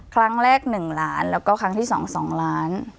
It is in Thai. ครั้งแรก๑ล้านแล้วก็ครั้งที่๒๒ล้าน